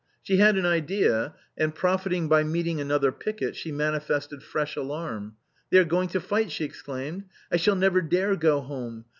She had an idea, and profiting by meeting another picket she man ifested fresh alarm, "They are going to fight," she exclaimed; "I shall never dare go home.